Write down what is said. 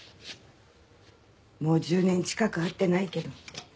もう１０年近く会ってないけど。